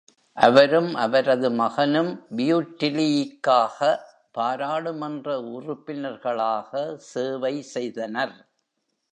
அவரும் அவரது மகனும் பியூட்லியிக்காக பாராளுமன்ற உறுப்பினர்களாக சேவை செய்தனர்.